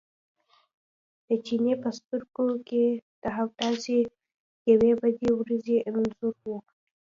د چیني په سترګو کې د همداسې یوې بدې ورځې انځور و.